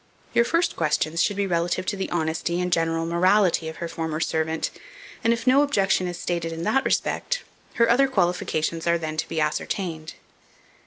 Your first questions should be relative to the honesty and general morality of her former servant; and if no objection is stated in that respect, her other qualifications are then to be ascertained.